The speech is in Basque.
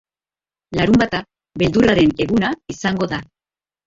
Larunbata beldurraren eguna izango da.